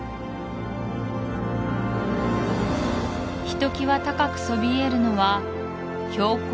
ひときわ高くそびえるのは標高